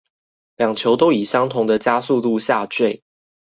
兩球都以相同的加速度下墜